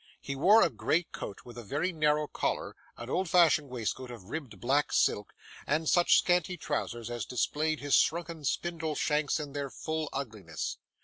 He wore a grey coat with a very narrow collar, an old fashioned waistcoat of ribbed black silk, and such scanty trousers as displayed his shrunken spindle shanks in their full ugliness.